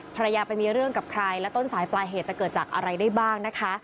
ภรรยาไปมีเรื่องกับใครและต้นสายปลายเหตุจะเกิดจากอะไรได้บ้างนะคะ